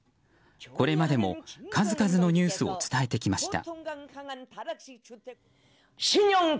これまでも数々のニュースを伝えてきました。